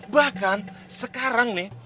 bahkan sekarang nih